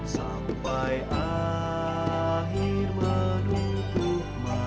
sampai akhir menutup mata